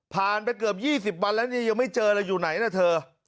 ผ่านไปเกือบ๒๐วันแล้วยังไม่เจออะไรอยู่ไหนนะเธอ